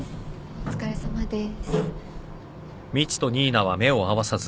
お疲れさまです。